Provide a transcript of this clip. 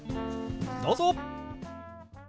どうぞ！